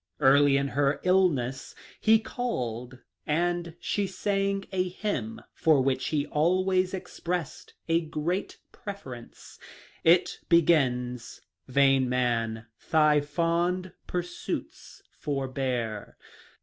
Early in her ill ness he called, and she sang a hymn for which he always expressed a great preference. It begins :* Vain man, thy fond pursuits forbear.